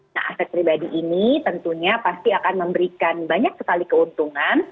nah aset pribadi ini tentunya pasti akan memberikan banyak sekali keuntungan